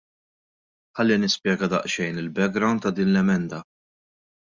Ħalli nispjega daqsxejn il-background ta' din l-emenda.